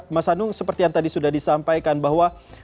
mas anung seperti yang tadi sudah disampaikan bahwa